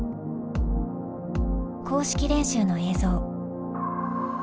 公式練習の映像。